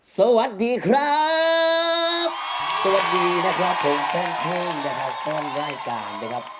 สวัสดีครับสวัสดีนะครับผมแป้งเพิ่มนะครับแป้งรายการนะครับ